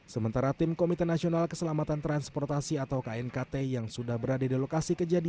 sementara tim komite nasional keselamatan transportasi atau knkt yang sudah berada di lokasi kejadian